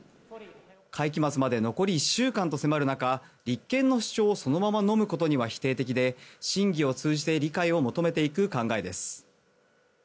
会期末まで残り１週間と迫る中立憲の主張をそのままのむことには否定的で審議を通じて理解を求めていく考えです。